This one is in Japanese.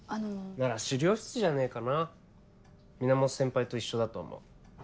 なら資料室じゃねえかな源先輩と一緒だと思う。